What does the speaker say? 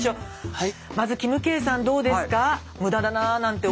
はい。